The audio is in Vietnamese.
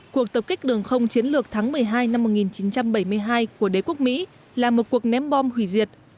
cuộc tập kích đường không chiến lược tháng một mươi hai năm một nghìn chín trăm bảy mươi hai của đế quốc mỹ là một cuộc ném bom hủy diệt